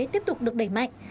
tiếp tục được đẩy mạnh